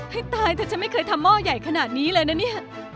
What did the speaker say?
ให้ตายแต่ฉันไม่เคยทำหม้อใหญ่ขนาดนี้เลยนะเนี่ย